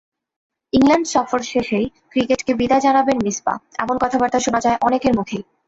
England সফর শেষেই ক্রিকেটকে বিদায় জানাবেন মিসবাহ—এমন কথাবার্তা শোনা যায় অনেকের মুখেই।